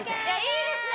いいですね